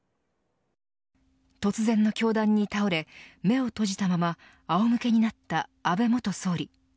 突然の凶弾に倒れ目を閉じたままあおむけになった安倍元総理。